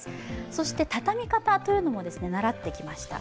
そしてたたみ方も習ってきました。